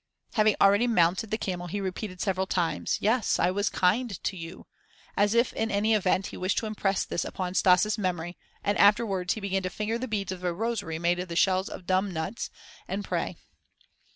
Having already mounted the camel he repeated several times: "Yes, I was kind to you," as if in any event he wished to impress this upon Stas' memory, and afterwards he began to finger the beads of a rosary made of the shells of "dum" nuts, and pray.